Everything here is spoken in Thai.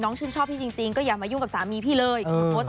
ชื่นชอบพี่จริงก็อย่ามายุ่งกับสามีพี่เลย